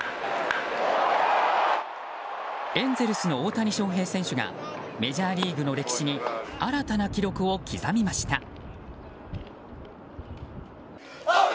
エンゼルスの大谷翔平選手がメジャーリーグの歴史に新たな記録を刻みました。